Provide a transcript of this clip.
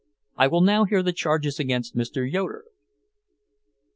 I will now hear the charges against Mr. Yoeder."